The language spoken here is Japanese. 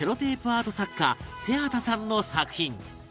アート作家瀬畑さんの作品